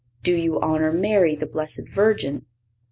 Do you honor Mary, the Blessed Virgin?